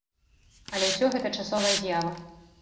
Але ўсё гэта часовая з'ява.